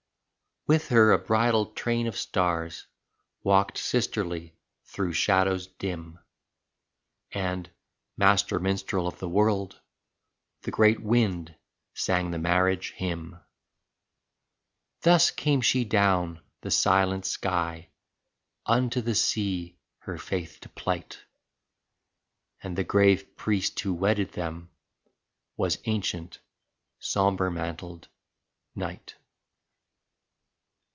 With her a bridal train of stars Walked sisterly through shadows dim, And, master minstrel of the world. The great Wind sang the marriage hymn. Thus came she down the silent sky Unto the Sea her faith to plight. And the grave priest who wedded them Was ancient, sombre mantled Night.